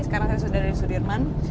sekarang saya sudah dari sudirman